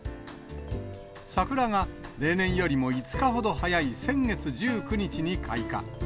桜が例年よりも５日ほど早い先月１９日に開花。